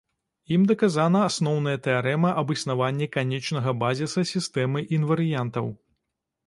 Ім даказана асноўная тэарэма аб існаванні канечнага базіса сістэмы інварыянтаў.